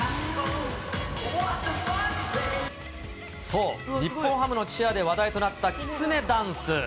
そう、日本ハムのチアで話題となった、きつねダンス。